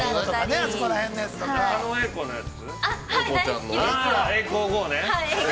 ◆狩野英孝のやつ。